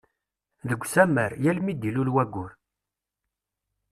Deg Usammar, yal mi d-ilul wayyur.